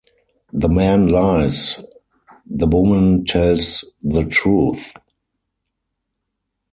The man lies, the woman tells the truth.